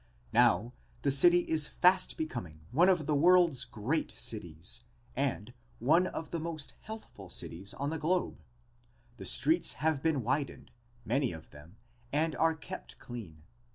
Now the city is fast becoming one of the world's great cities and one of the most healthful cities on the globe. The streets have been widened, many of them, and are kept clean.